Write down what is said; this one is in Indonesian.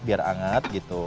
biar anget gitu